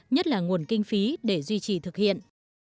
nhất là nguồn kinh phí để duy trì thực hiện